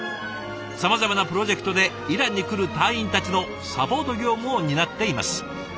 さまざまなプロジェクトでイランに来る隊員たちのサポート業務を担っています。